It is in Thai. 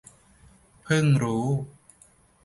เพิ่งรู้